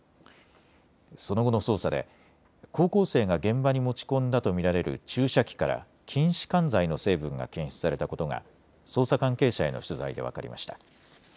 その後の捜査で高校生が現場に持ち込んだと見られる注射器から筋しかん剤の成分が検出されたことが捜査関係者への取材で分かりました。